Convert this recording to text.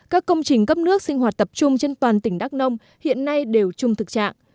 các công trình cấp nước sinh hoạt tập trung trên toàn tỉnh đắk nông hiện nay đều chung thực trạng